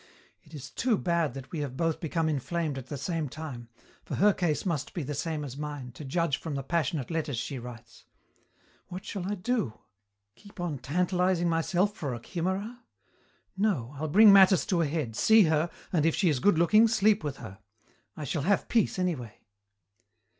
It is too bad that we have both become inflamed at the same time for her case must be the same as mine, to judge from the passionate letters she writes. What shall I do? Keep on tantalizing myself for a chimera? No! I'll bring matters to a head, see her, and if she is good looking, sleep with her. I shall have peace, anyway."